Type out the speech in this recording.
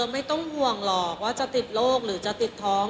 ไม่ต้องห่วงหรอกว่าจะติดโรคหรือจะติดท้อง